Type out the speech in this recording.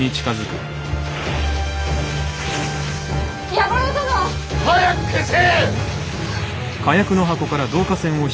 弥五郎殿！早く消せ！